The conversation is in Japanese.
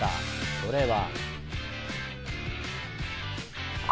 それは。